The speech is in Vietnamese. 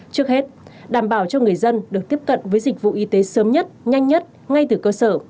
trước hết đảm bảo cho người dân được tiếp cận với dịch vụ y tế sớm nhất nhanh nhất ngay từ cơ sở